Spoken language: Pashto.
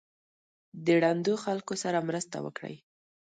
د ړندو خلکو سره مرسته وکړئ.